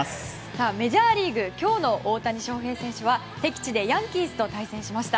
メジャーリーグ今日の大谷翔平選手は敵地でヤンキースと対戦しました。